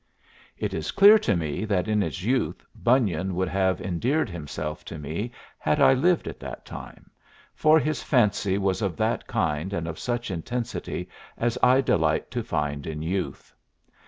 It is clear to me that in his youth Bunyan would have endeared himself to me had I lived at that time, for his fancy was of that kind and of such intensity as I delight to find in youth.